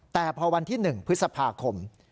แต่พอวันที่๑พฤษภาคม